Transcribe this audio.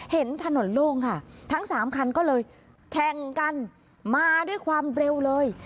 เห็นถนนโล่งค่ะทั้งสามคันก็เลยแข่งกันมาด้วยความเร็วเลย